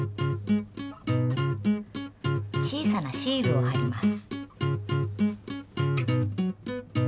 小さなシールをはります。